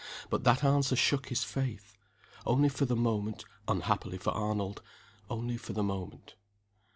But that answer shook his faith. Only for the moment unhappily for Arnold, only for the moment.